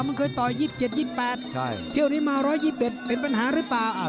มันเคยต่อย๒๗๒๘เที่ยวนี้มา๑๒๑เป็นปัญหาหรือเปล่า